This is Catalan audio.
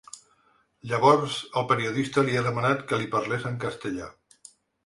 Llavors, el periodista li ha demanat que li parlés en castellà.